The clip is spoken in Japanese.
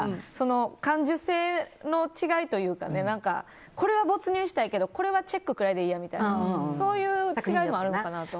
感受性の違いというかこれは没入したいけどこれはチェックくらいでいいやみたいなそういう違いもあるのかなと。